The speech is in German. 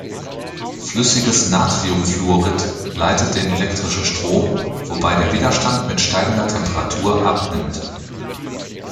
Flüssiges Natriumfluorid leitet den elektrischen Strom, wobei der Widerstand mit steigender Temperatur abnimmt.